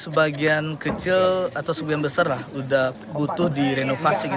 sebagian kecil atau sebagian besar lah sudah butuh direnovasi